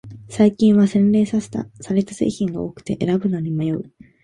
最近は洗練された製品が多くて選ぶのに迷う